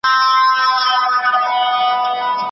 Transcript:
هسی نه چي را ته په قار یا لږ ترلږه خوابدي سي.